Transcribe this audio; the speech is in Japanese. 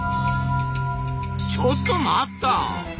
ちょっと待った！